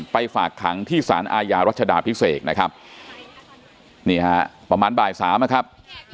ฝากขังที่สารอาญารัชดาพิเศษนะครับนี่ฮะประมาณบ่ายสามนะครับ